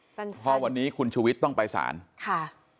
สั้นเพราะวันนี้คุณชูวิทย์ต้องไปสารค่ะ